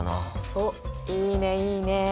おっいいねいいね！